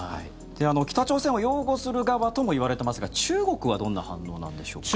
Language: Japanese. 北朝鮮を擁護する側ともいわれてますが中国はどんな反応なんでしょうか。